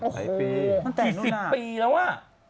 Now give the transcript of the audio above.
ไข่ปี๔๐ปีแล้วอะ